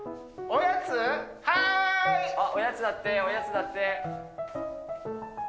おやつだって、おやつだって。